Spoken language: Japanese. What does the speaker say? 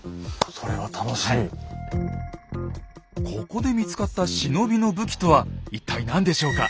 ここで見つかった忍びの武器とは一体何でしょうか？